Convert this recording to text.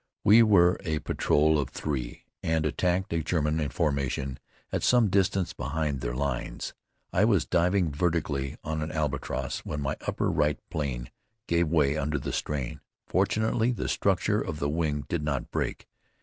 We were a patrol of three and attacked a German formation at some distance behind their lines. I was diving vertically on an Albatross when my upper right plane gave way under the strain. Fortunately, the structure of the wing did not break.